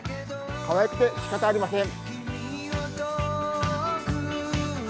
かわいくてしかたありません。